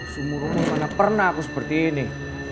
semua rumah mana pernah aku seperti ini